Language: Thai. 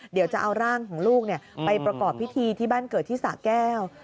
เดี๋ยวจะเอาร่างของลูกไปประกอบพิธีที่บ้านเกิดที่สะแก้ว